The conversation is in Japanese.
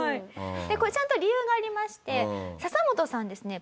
これちゃんと理由がありましてササモトさんですね